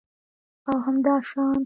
او همداشان